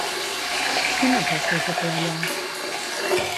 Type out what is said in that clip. Quin és el seu paper allà?